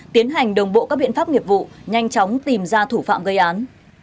tiến hành đồng bộ các biện pháp nghiệp vụ nhanh chóng tìm ra thủ phạm gây án